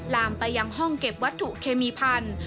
ลามไปยังห้องเก็บวัตถุเคมีพันธุ์